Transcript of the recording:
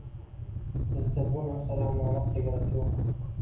Bizda bu narsalarni aniq chegarasi yoʻq.